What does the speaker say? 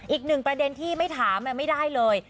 อีกหนึ่งประเด็นที่ไม่ถามไม่ได้เลย